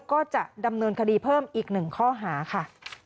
ก็จะดำเนินคดีเพิ่มอีกหนึ่งข้อหาค่ะ